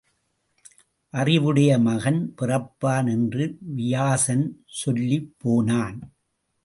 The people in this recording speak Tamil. அறிவுடைய மகன் பிறப்பான் என்று வியாசன் சொல்லிப் போனான்.